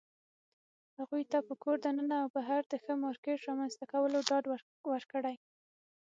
هغوى ته په کور دننه او بهر د ښه مارکيټ رامنځته کولو ډاډ ورکړى